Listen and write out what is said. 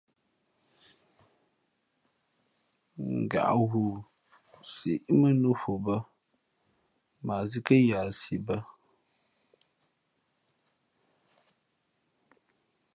Ngaʼghoo síʼ mᾱnnū nhu bᾱ, mα a sī kά yahsi bά.